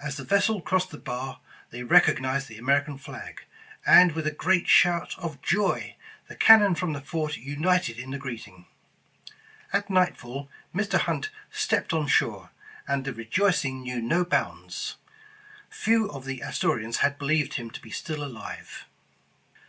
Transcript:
As the vessel crossed the bar, they recognized the American flag, and with a great shout of joy, the cannon from the fort united in the greeting. At nightfall, Mr. Hunt stepped on shore, and the rejoicing knew no bounds. Few of the Astori ans had believed him to be still alive.